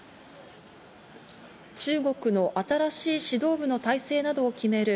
中国の新しい指導部の体制などを決める